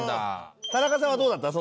田中さんはどうだったの？